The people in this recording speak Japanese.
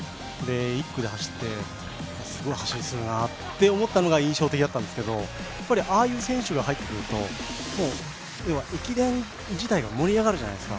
１区で走ってすごい走りするなって思ったのが印象的だったんですけどああいう選手が入ってくると、駅伝自体が盛り上がるじゃないですか。